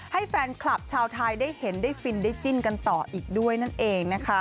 ให้แฟนคลับชาวไทยได้เห็นได้ฟินได้จิ้นกันต่ออีกด้วยนั่นเองนะคะ